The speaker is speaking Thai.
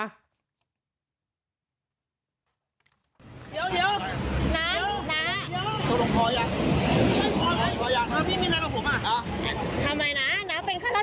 เดี๋ยวน้า